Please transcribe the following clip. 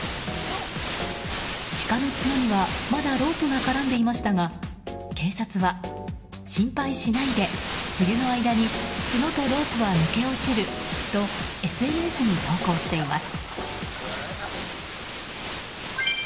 シカの角にはまだロープが絡んでいましたが警察は、心配しないで冬の間に角とロープは抜け落ちるとＳＮＳに投稿しています。